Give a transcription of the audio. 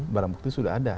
barang bukti sudah ada